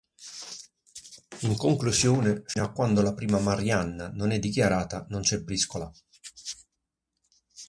In conclusione fino a quando la prima "marianna" non è dichiarata non c'è briscola.